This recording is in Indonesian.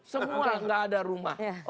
semua gak ada rumah